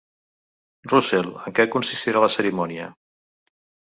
Russell—, en què consistirà la cerimònia.